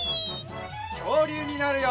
きょうりゅうになるよ！